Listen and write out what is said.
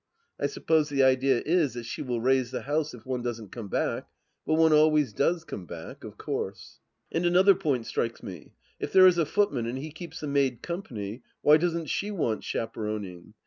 I suppose the idea is that she will raise the house if one doesn't come back, but one always does come back, of course. And another point strikes me : if there is a footman and he keeps the maid company, why doesn't she want chaperon ing